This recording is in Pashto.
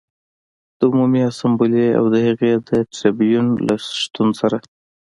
د عمومي اسامبلې او د هغې د ټربیون له شتون سره و